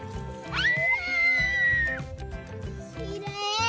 えきれい？